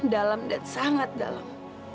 dalam dan sangat dalam